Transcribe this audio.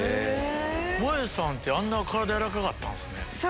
もえさんってあんな体軟らかかったんすね。